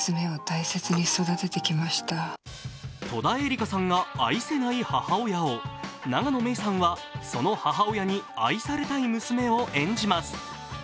戸田恵梨香さんが愛せない母親を、永野芽郁さんは、その母親に愛されたい娘を演じます。